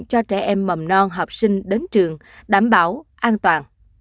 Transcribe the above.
cho trẻ em mầm non học sinh đến trường đảm bảo an toàn